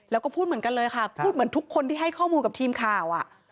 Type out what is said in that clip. แล้วก็พูดเหมือนกันเลยค่ะพูดเหมือนทุกคนที่ให้ข้อมูลกับทีมข่าว